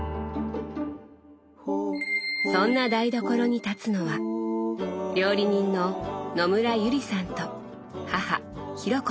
そんな台所に立つのは料理人の野村友里さんと母紘子さん。